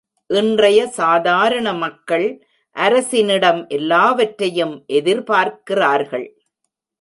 இன்றைய சாதாரண மக்கள் அரசினிடம் எல்லாவற்றையும் எதிர்பார்க்கிறார்கள்.